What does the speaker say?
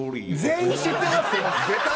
全員知ってますよ。